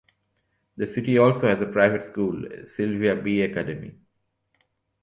The city also has a private school, Sylva-Bay Academy.